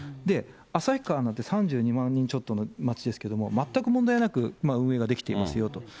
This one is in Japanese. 旭川なんて３２万人ちょっとの町ですけども、全く問題なく運営ができていますよと。